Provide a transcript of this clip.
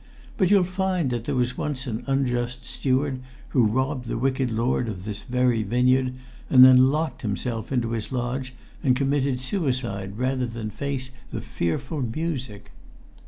But you'll find that there was once an unjust steward, who robbed the wicked lord of this very vineyard, and then locked himself into his lodge, and committed suicide rather than face the fearful music!"